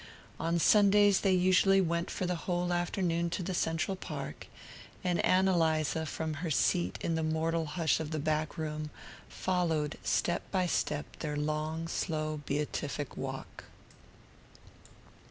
On Sundays they usually went for the whole afternoon to the Central Park, and Ann Eliza, from her seat in the mortal hush of the back room, followed step by step their long slow beatific walk.